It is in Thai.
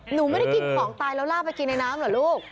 หนูไม่ได้กินของตายแล้วลากไปกินในน้ำเหรอลูก